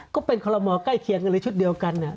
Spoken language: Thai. ก็เป็นคอลโลมอใกล้เคียงกันเลยชุดเดียวกัน